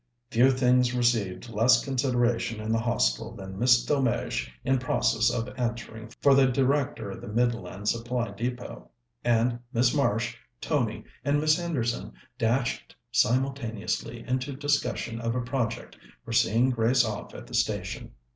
Few things received less consideration in the Hostel than Miss Delmege in process of answering for the Director of the Midland Supply Depôt, and Miss Marsh, Tony, and Miss Henderson dashed simultaneously into discussion of a project for seeing Grace off at the station.